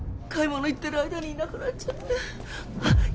買い物行ってる間にいなくなっちゃってあっ